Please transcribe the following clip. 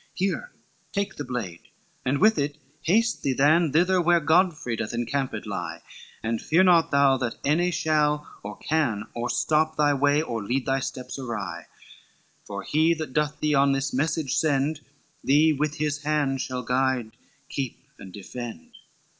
Here, take the blade, and with it haste thee than Thither where Godfrey doth encamped lie, And fear not thou that any shall or can Or stop thy way, or lead thy steps awry; For He that doth thee on this message send, Thee with His hand shall guide, keep and defend.